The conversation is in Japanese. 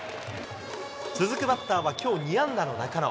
続くバッターは、きょう２安打の中野。